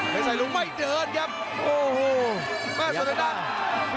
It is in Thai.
ใครสายลุงไม่เดินครับโอ้โหมีเก่าไป